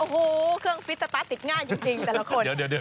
โอ้โหเครื่องฟิตสตาร์ติกง่ายจริง